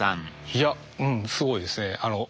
いやうんすごいですね。